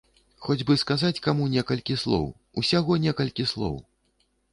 Хоць бы сказаць каму некалькі слоў, усяго некалькі слоў!